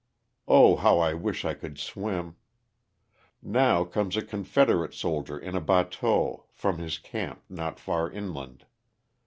Oh, how I wish I could swim ! Now comes a Confederate soldier in a batteau, from his camp not far inland.